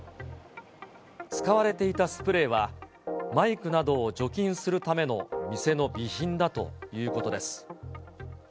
使われていたスプレーは、マイクなどを除菌するための店の備品だということです。